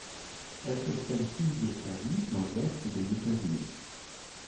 Elle possède plus de service dans l'ouest des États-Unis.